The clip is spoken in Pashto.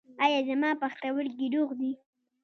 ایا زما پښتورګي روغ دي؟